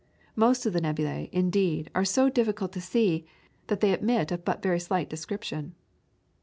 Most of the nebulae, indeed, are so difficult to see, that they admit of but very slight description.